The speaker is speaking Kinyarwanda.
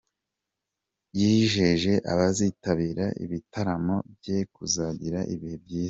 Yijeje abazitabira ibitaramo bye kuzagira ibihe byiza.